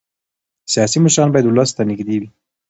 سیاسي مشران باید ولس ته نږدې وي